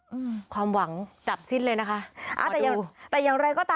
อืมความหวังจับซิ้นเลยนะคะ